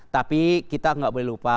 tapi kita nggak boleh lupa